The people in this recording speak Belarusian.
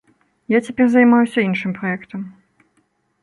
Я цяпер займаюся іншым праектам.